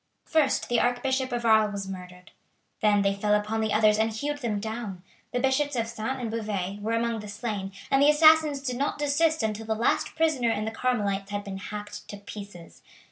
First the Archbishop of Arles was murdered; then they fell upon the others and hewed them down. The Bishops of Saintes and Beauvais were among the slain, and the assassins did not desist until the last prisoner in the Carmelites had been hacked to pieces.